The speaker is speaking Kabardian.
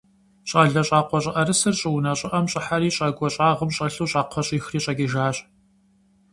Щӏалэ щӏакъуэ щӏыӏэрысыр щӏыунэ щӏыӏэм щӏыхьэри, щӏакӏуэ щӏагъым щӏэлъу щӏакхъуэ щӏихри щӏэкӏыжащ.